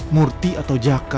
murthy atau jaka